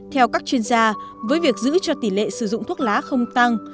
theo các chuyên gia với việc giữ cho tỷ lệ sử dụng thuốc lá không tăng